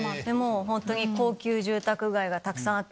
高級住宅街がたくさんあって。